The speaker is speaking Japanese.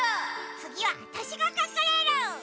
つぎはわたしがかくれる！